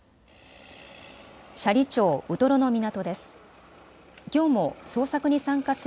斜里町ウトロの港です。